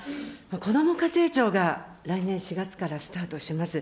こども家庭庁が来年４月からスタートします。